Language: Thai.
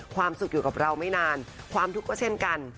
ความสุขอยู่กับเราไม่นานความทุกข์ก็เช่นกัน